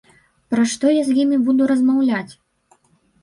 Пра што я з імі буду размаўляць?